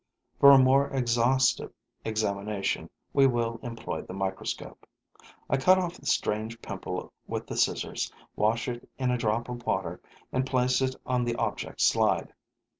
For a more exhaustive examination we will employ the microscope. I cut off the strange pimple with the scissors, wash it in a drop of water and place it on the object slide.